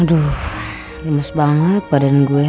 aduh lemes banget badan gue ya